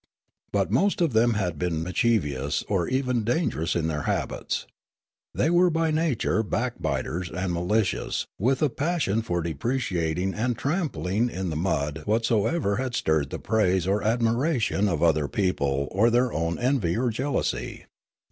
But most of them had been mis chievous or even dangerous in their habits. They were by nature backbiters and malicious, with a passion for depreciating and trampling in the mud whatsoever had stirred the praise or admiration of other people or their own envy or jealousy.